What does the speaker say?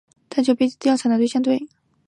探寻被调查对象对。